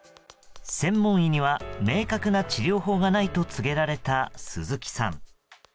専門医には明確な治療法がないと告げられた鈴木さん。